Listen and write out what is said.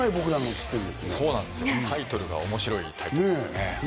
タイトルが面白いタイトルですよね。